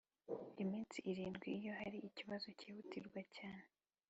Iminsi irindwi iyo hari ikibazo cyihutirwa cyane.